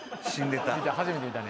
初めて見たね